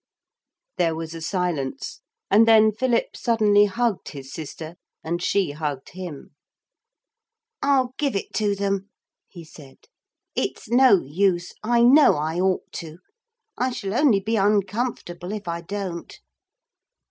There was a silence, and then Philip suddenly hugged his sister and she hugged him. 'I'll give it to them,' he said; 'it's no use. I know I ought to. I shall only be uncomfortable if I don't.'